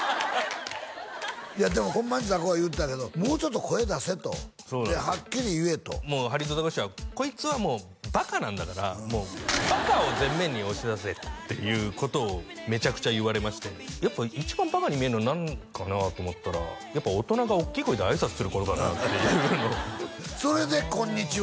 いやでもホンマにザコが言うてたけど「もうちょっと声出せ」とで「はっきり言え」ともうハリウッドザコシショウは「こいつはもうバカなんだからもうバカを前面に押し出せ」っていうことをめちゃくちゃ言われましてやっぱ一番バカに見えるの何かなと思ったらやっぱ大人がおっきい声であいさつすることかなっていうそれで「こんにちは」？